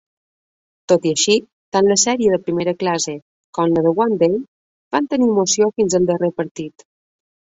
Tot i així, tant la sèrie de primera classe com la One Day van tenir emoció fins al darrer partit.